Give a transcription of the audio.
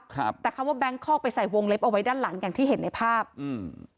ครับแต่คำว่าแบงคอกไปใส่วงเล็บเอาไว้ด้านหลังอย่างที่เห็นในภาพอืม